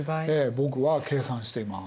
僕は計算しています。